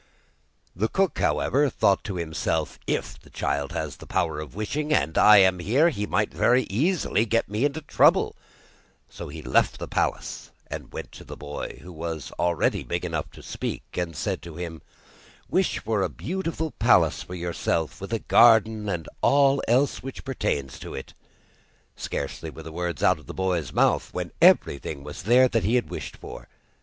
The cook, however, thought to himself: 'If the child has the power of wishing, and I am here, he might very easily get me into trouble.' So he left the palace and went to the boy, who was already big enough to speak, and said to him: 'Wish for a beautiful palace for yourself with a garden, and all else that pertains to it.' Scarcely were the words out of the boy's mouth, when everything was there that he had wished for.